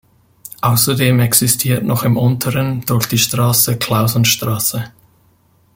Außerdem existiert noch im unteren, durch die Straße Klausen–St.